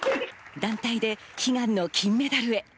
団体で悲願の金メダルへ。